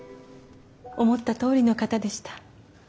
思ったとおりの方でした。